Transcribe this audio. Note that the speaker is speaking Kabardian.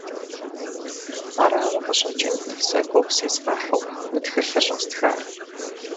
Арауэ къыщӏэкӏынт сэ гугъу зезгъэхьу мы тхылъыр щӏэстхар.